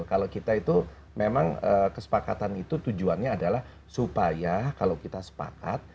kalau kita itu memang kesepakatan itu tujuannya adalah supaya kalau kita sepakat